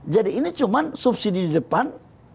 jadi ini cuma subsidi di depan